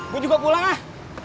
gua juga pulang ah